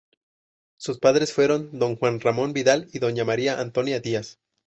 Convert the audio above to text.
Sus padres fueron don Juan Ramón Vidal y doña María Antonia Díaz.